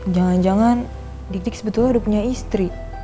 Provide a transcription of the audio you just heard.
jangan jangan dik dik sebetulnya udah punya istri